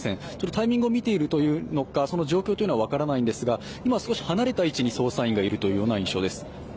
タイミングを見ているというのか、その状況は分からないんですが今、少し離れた位置に捜査員がいるという印象です。